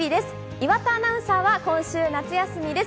岩田アナウンサーは今週夏休みです。